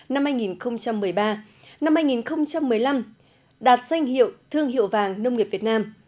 năm hai nghìn một mươi ba năm hai nghìn một mươi năm đạt danh hiệu thương hiệu vàng nông nghiệp việt nam